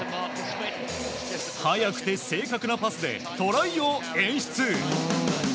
速くて正確なパスでトライを演出。